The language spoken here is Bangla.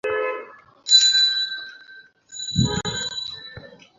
সেল্টিকের চিরপ্রতিদ্বন্দ্বী গ্লাসগো রেঞ্জার্স অবশ্য আগেই ট্রফি জয়ের সেঞ্চুরি পেয়ে গেছে।